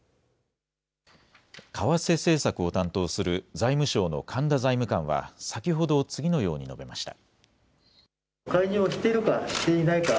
為替政策を担当する財務省の神田財務官は先ほど次のように述べました。